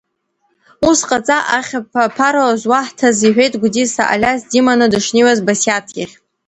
Уус ҟаҵа, ахь ԥара зуаҳҭаз, — иҳәеит Гәдиса, Алиас диманы дышнеиуаз, Басиаҭ иахь.